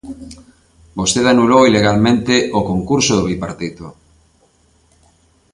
Vostede anulou ilegalmente o concurso do Bipartito.